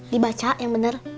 dibaca yang bener